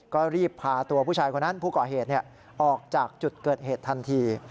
ก็รีบพาตัวผู้ชายคนนั้นผู้ก่อเหตุออกจากจุดเกิดเหตุทันที